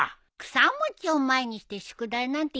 草餅を前にして宿題なんてやってらんないよ。